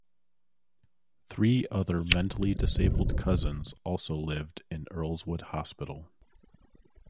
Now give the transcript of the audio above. Three other mentally disabled cousins also lived in Earlswood Hospital.